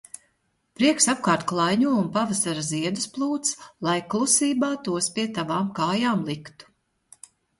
Prieks apkārt klaiņo un pavasara ziedus plūc, lai klusībā tos pie tavām kājām liktu.